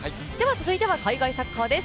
続いては海外サッカーです